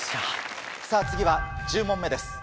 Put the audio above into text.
さぁ次は１０問目です。